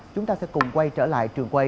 chúng ta sẽ cùng quay trở lại trường quay